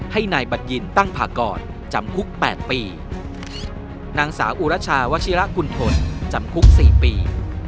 ให้นายบัดยินตั้งพากรจำคุกแปดปีนางสาวอุรชาวชิระกุณฑลจำคุกสี่ปี